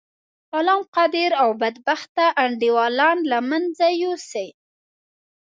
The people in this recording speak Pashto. غلام قادر او بدبخته انډيوالان له منځه یوسی.